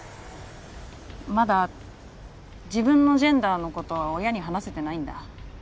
まだ自分のジェンダーの事は親に話せてないんだ。